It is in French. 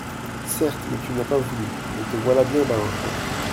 Certes, mais tu n'as pas voulu, et te voilà bien bas maintenant.